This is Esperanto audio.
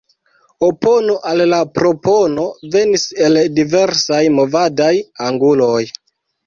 Opono al la propono venis el diversaj movadaj anguloj.